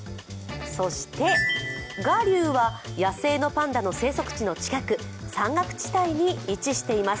そして臥龍は野生のパンダの生息地の近く、山岳地帯に位置しています。